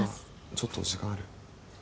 ちょっと時間ある？